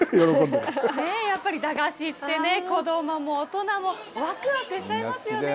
やっぱり駄菓子ってね、子どもも大人もわくわくしちゃいますよね。